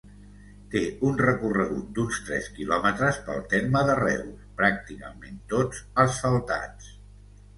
Té un recorregut d'uns tres quilòmetres pel terme de Reus, pràcticament tots asfaltats.